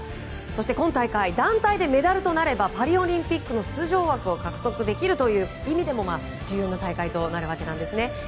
そして今大会団体でメダルとなればパリオリンピックの出場枠が獲得できるという意味でも重要な大会です。